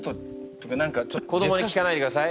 子どもに聞かないでください。